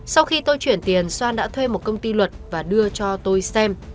sau khi tôi chuyển tiền xoan đã thuê một công ty luật và đưa cho tôi xem